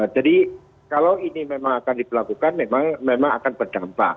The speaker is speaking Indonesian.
jadi kalau ini memang akan diperlakukan memang akan berdampak